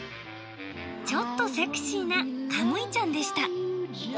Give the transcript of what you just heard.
ちょっとセクシーな神威ちゃんでした。